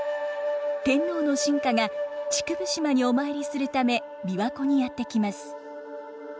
天皇の臣下が竹生島にお参りするため琵琶湖にやって来ます。